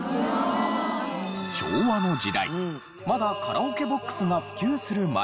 昭和の時代まだカラオケボックスが普及する前。